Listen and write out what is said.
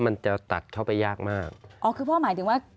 มันจะตัดเข้าไปยากมากอ๋อคือพ่อหมายถึงว่า